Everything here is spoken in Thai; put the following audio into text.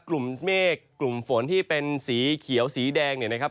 กลุ่มเมฆกลุ่มฝนที่เป็นสีเขียวสีแดงเนี่ยนะครับ